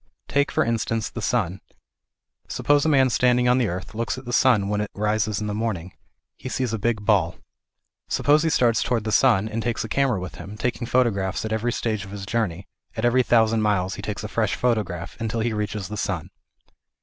Take for instance the sun. Suppose a man standing on the earth looks at the sun when it rises in the morning ; he sees a big ball. Suppose he starts towards the sun and takes a camera with him, taking photographs at every stage of his journey, at every thousand miles he takes a fresh photograph, until he reaches the sun.